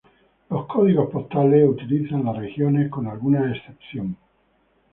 Los códigos postales utilizan las regiones con alguna excepción.